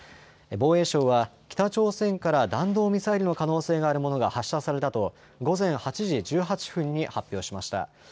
防衛省は、北朝鮮から弾道ミサイルの可能性があるものが発射されたと午前８時１８分に発表しました。